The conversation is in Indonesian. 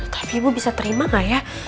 tapi ibu bisa terima gak ya